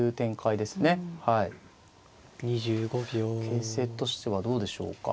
形勢としてはどうでしょうか。